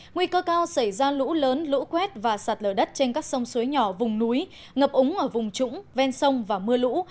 nguy cơ cao xảy ra lũ lớn lũ quét và sạt lở đất trên các sông suối nhỏ vùng núi ngập úng ở vùng trũng ven sông và mưa lũ